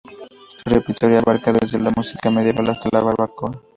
Su repertorio abarca desde la música medieval hasta la barroca.